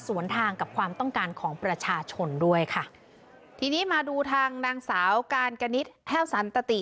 สวนทางกับความต้องการของประชาชนด้วยค่ะทีนี้มาดูทางนางสาวการกนิดแห้วสันตติ